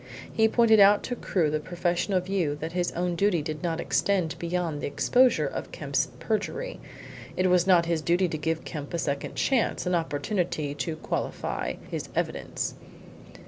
He pointed out to Crewe the professional view that his own duty did not extend beyond the exposure of Kemp's perjury. It was not his duty to give Kemp a second chance an opportunity to qualify his evidence.